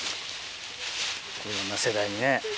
いろんな世代にね。